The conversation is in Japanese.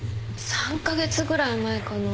３カ月ぐらい前かな。